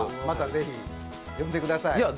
またぜひ、呼んでください。